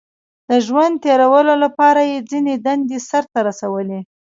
• د ژوند تېرولو لپاره یې ځینې دندې سر ته رسولې.